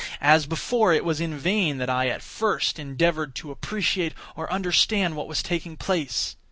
As before, it was in vain that I, at first, endeavoured to appreciate or understand what was taking place.